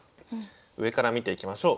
上から見ていきましょう。